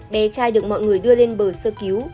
bé trai được mọi người đưa lên bờ sơ cứu